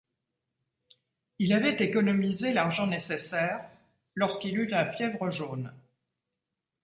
Il avait économisé l’argent nécessaire, lorsqu’il eut la fièvre jaune.